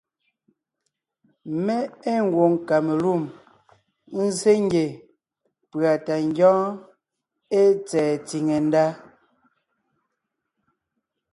Mé ée kamelûm nzsé ngie pʉ̀a tɛ ngyɔ́ɔn ée tsɛ̀ɛ tsìŋe ndá: